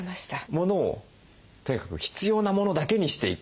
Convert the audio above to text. モノをとにかく必要なモノだけにしていく？